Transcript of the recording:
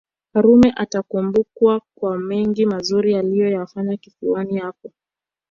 Karume atakumbukwa kwa mengi mazuri aliyoyafanya kisiwani hapo